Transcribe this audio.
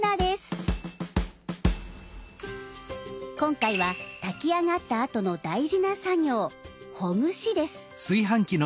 今回は炊きあがったあとの大事な作業ほぐしです。